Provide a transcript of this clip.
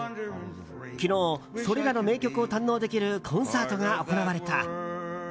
昨日、それらの名曲を堪能できるコンサートが行われた。